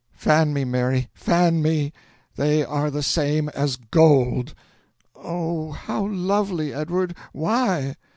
"Fan me, Mary, fan me! They are the same as gold!" "Oh, how lovely, Edward! Why?"